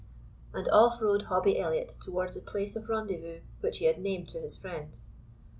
And off rode Hobbie Elliot towards the place of rendezvous which he had named to his friends.